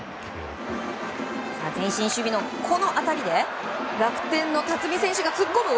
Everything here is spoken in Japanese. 前進守備のこの当たりで楽天の辰己選手が突っ込む！